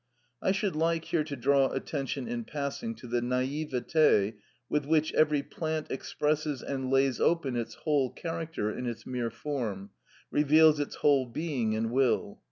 I should like here to draw attention in passing to the naïveté with which every plant expresses and lays open its whole character in its mere form, reveals its whole being and will.